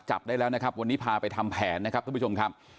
จับได้แล้วนะครับวันนี้พาไปทำแผนนะครับท่านผู้ชมครับ